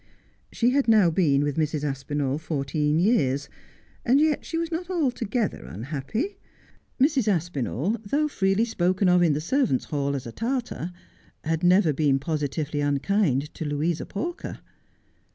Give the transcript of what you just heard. She had now been with Mrs. Aspinall fourteen years ; and yet she was not altogether unhappy. Mrs. Aspinall, though freely spoken of in the servants' hall as a Tartar, had never been positively unkind to Louisr Pawker.